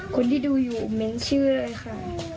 คนที่ดูอยู่ไม่เชื่อเลยค่ะ